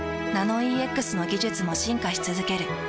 「ナノイーＸ」の技術も進化し続ける。